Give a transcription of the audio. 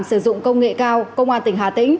sử dụng công nghệ cao công an tỉnh hà tĩnh